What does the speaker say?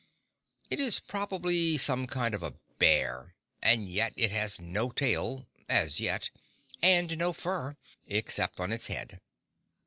It is probably some kind of a bear; and yet it has no tail—as yet—and no fur, except on its head.